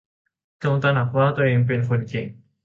จงตระหนักว่าตัวเองเป็นคนเก่ง